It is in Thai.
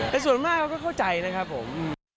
แต่ส่วนมากเราก็เข้าใจนะครับผม